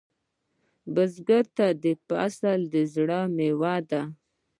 بزګر ته فصل د زړۀ میوه ده